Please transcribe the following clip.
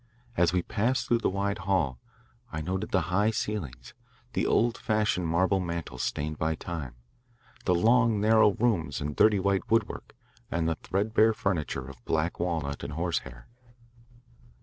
As we passed through the wide hall, I noted the high ceilings, the old fashioned marble mantels stained by time, the long, narrow rooms and dirty white woodwork, and the threadbare furniture of black walnut and horsehair.